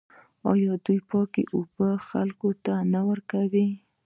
آیا دوی پاکې اوبه خلکو ته نه ورکوي؟